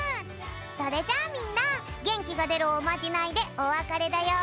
それじゃあみんなげんきがでるおまじないでおわかれだよ！